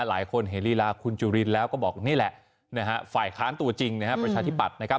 หลายคนเห็นลีลาคุณจุลินแล้วก็บอกนี่แหละนะฮะฝ่ายค้านตัวจริงนะครับประชาธิปัตย์นะครับ